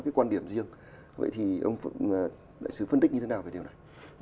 cái quan điểm riêng vậy thì ông đại sứ phân tích như thế nào về điều này